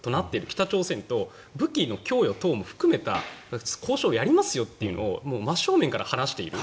北朝鮮と武器の供与等も含めた交渉をやりますよというのを真正面から話している。